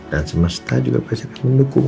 dan semesta juga pasti akan mendukung